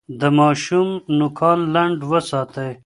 د ماشوم نوکان لنډ وساتئ.